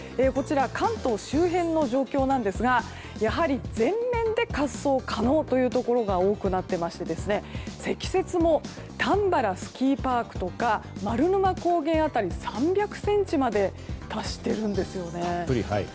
こちら関東周辺の様子なんですが全面で滑走可能というところが多くなっていまして積雪もたんばらスキーパークとか丸沼高原辺りで３００ｃｍまで達しているんですね。